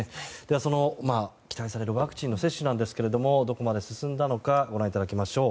その期待されるワクチンの接種ですがどこまで進んだのかご覧いただきましょう。